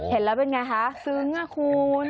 เห็นแล้วเป็นไงคะซึ้งอ่ะคุณ